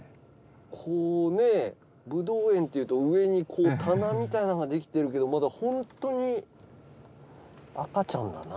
こうブドウ園っていうと上に棚みたいのができてるけどまだホントに赤ちゃんだな。